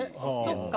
そっか。